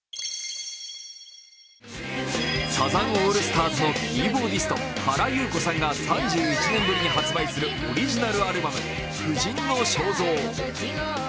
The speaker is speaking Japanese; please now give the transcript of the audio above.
サザンオールスターズのキーボーディスト・原由子さんが３１年ぶりに発売するオリジナルアルバム「婦人の肖像」。